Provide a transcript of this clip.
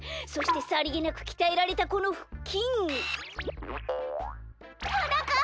そしてさりげなくきたえられたこのふっきん。